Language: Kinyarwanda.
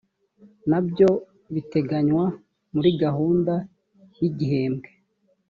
nabyo biteganywa muri gahunda y igihembwe